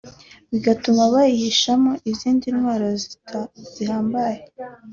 bigatuma bayihishamo izindi ntwaro zihambaye